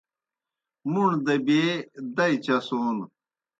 مُوݨ دہ بیے دئی چسون